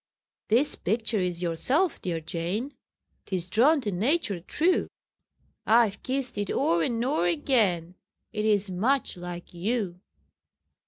"This picture is yourself, dear Jane 'Tis drawn to nature true: I've kissed it o'er and o'er again, It is much like you."